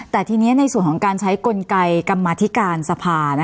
แต่ทีนี้ในส่วนของการใช้กลไกกรรมาธิการสภา